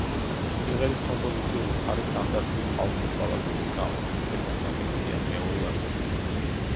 სიმღერის კომპოზიციური მხარე სტანდარტულ ხალხურ ბალადებს ჰგავს, თუმცა გამონაკლისია მეორე აკორდი.